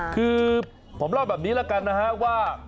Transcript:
คือผมเล่าแบบนี้แล้วกันนะฮะว่า